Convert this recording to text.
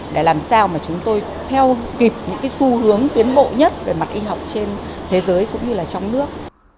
để làm sao mà chúng tôi theo kịp những cái xu hướng tiến bộ nhất về mặt y học trên thế giới cũng như là trong nước